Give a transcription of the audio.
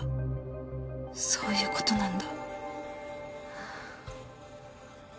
そういうことなんだハァ。